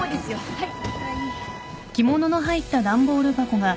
はい。